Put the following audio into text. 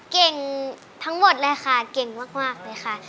เก่งทั้งหมดเลยค่ะเก่งมากเลยค่ะ